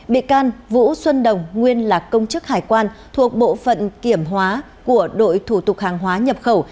bị can vũ xuân đồng nguyên là công chức hải quan thuộc bộ phận kiểm hóa của đội thủ tục hàng hóa nhập khẩu